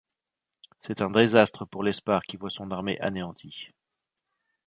C'est un désastre pour Lesparre qui voit son armée anéantie.